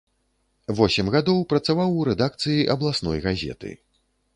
Восем гадоў працаваў у рэдакцыі абласной газеты.